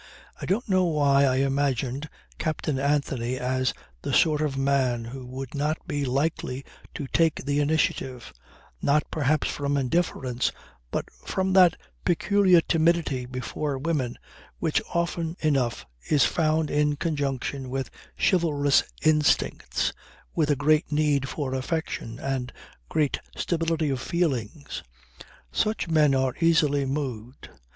I don't know why I imagined Captain Anthony as the sort of man who would not be likely to take the initiative; not perhaps from indifference but from that peculiar timidity before women which often enough is found in conjunction with chivalrous instincts, with a great need for affection and great stability of feelings. Such men are easily moved.